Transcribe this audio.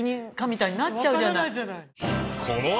みたいになっちゃうじゃない。